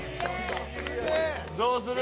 どうする？